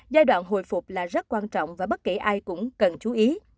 giai đoạn hồi phục là rất quan trọng và bất kể ai cũng cần chú ý